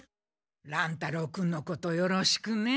乱太郎君のことよろしくね。